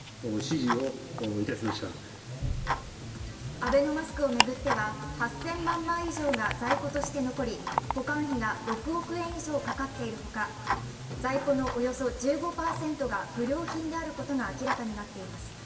アベノマスクを巡っては８０００万枚以上が在庫として残り保管費が６億円以上かかっているほか在庫のおよそ１５％が不良品であることが明らかになっています。